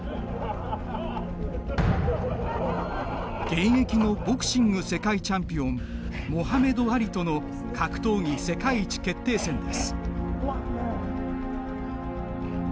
現役のボクシング世界チャンピオンモハメド・アリとの格闘技世界一決定戦です。